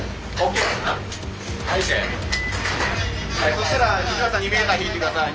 そしたら２メーター引いて下さい。